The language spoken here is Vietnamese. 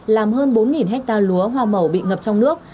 làm hơn bốn hectare lúa hoa màu bị ngập trong nước